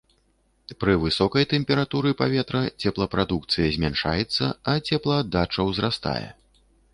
Пры высокай тэмпературы паветра цеплапрадукцыя змяншаецца, а цеплааддача ўзрастае.